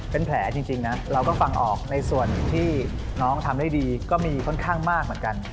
เป็นแผลจริงนะเราก็ฟังออกในส่วนที่น้องทำได้ดีก็มีค่อนข้างมากเหมือนกัน